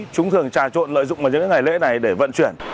chúng thường trà trộn lợi dụng vào những ngày lễ này để vận chuyển